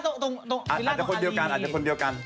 ตรงอารีย์อาจจะคนเดียวกันเดี๋ยวมาว่ากัน